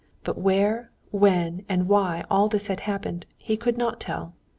But where, when, and why all this had happened, he could not tell.